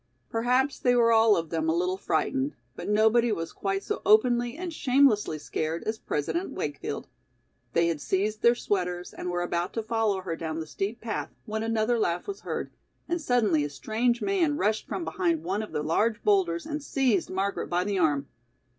Perhaps they were all of them a little frightened, but nobody was quite so openly and shamelessly scared as President Wakefield. They had seized their sweaters and were about to follow her down the steep path, when another laugh was heard, and suddenly a strange man rushed from behind one of the large boulders and seized Margaret by the arm.